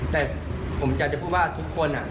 แต่ผมอยากจะพูดว่าทุกคน